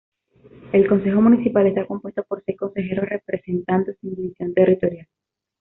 El consejo municipal está compuesto por seis consejeros representando sin división territorial.